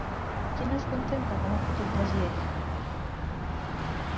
Qui no es contempla com a futur president?